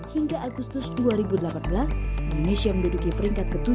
hingga agustus dua ribu delapan belas indonesia menduduki peringkat ke tujuh